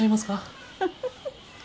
フフフフフ。